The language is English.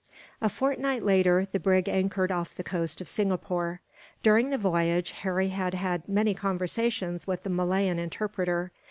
A fortnight later the brig anchored off the coast of Singapore. During the voyage, Harry had had many conversations with the Malayan interpreter.